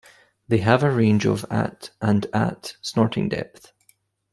They have a range of at and at snorting depth.